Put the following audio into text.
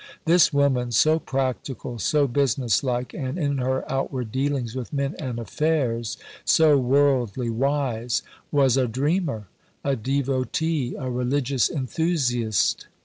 This woman, so practical, so business like, and in her outward dealings with men and affairs so worldly wise, was a dreamer, a devotee, a religious enthusiast.